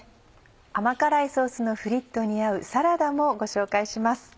甘辛いソースのフリットに合うサラダもご紹介します。